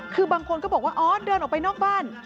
คือบางคนก็บอกว่าอ๋อเดินออกไปนอกบ้าน